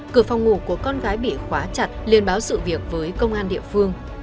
cửa phòng ngủ của con gái bị khóa chặt liên báo sự việc với công an địa phương